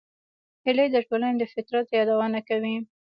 هیلۍ د ټولنې د فطرت یادونه کوي